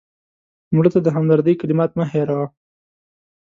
مړه ته د همدردۍ کلمات مه هېروه